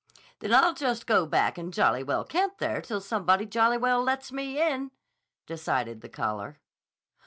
"Then I'll just go back and jolly well camp there till somebody jolly well lets me in," decided the caller.